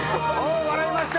笑いました。